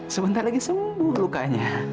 sebentar lagi sembuh lukanya